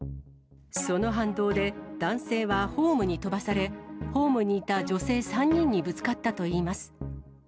その反動で、男性はホームに飛ばされ、ホームにいた女性３人にぶつかったといいます。